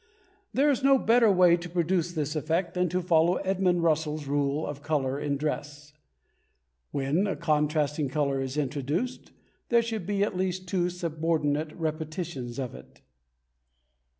There is no better way to produce this effect than to follow Edmund Russell's rule of colour in dress: "When a contrasting colour is introduced, there should be at least two subordinate repetitions of it."